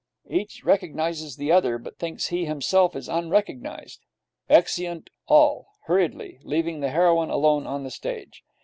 Each recognizes the other, but thinks he himself is unrecognized. Exeunt all, hurriedly, leaving the heroine alone on the stage.